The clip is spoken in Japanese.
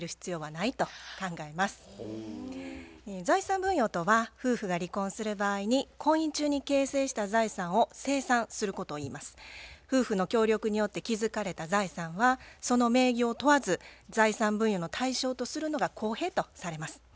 財産分与とは夫婦が離婚する場合に婚姻中に夫婦の協力によって築かれた財産はその名義を問わず財産分与の対象とするのが公平とされます。